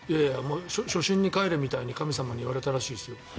初心に帰れって神様に言われたらしいですよ。